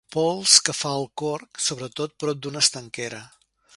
Pols que fa el corc, sobretot prop d'una estanquera.